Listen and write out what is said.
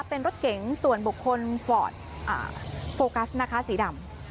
เป็นรถเก๋งส่วนบุคคลฟอร์ดโฟกัสนะคะสีดำ